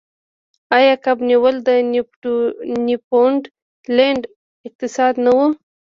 آیا کب نیول د نیوفونډلینډ اقتصاد نه و؟